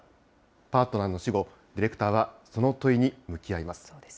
パートナーの死後、ディレクターはその問いに向き合います。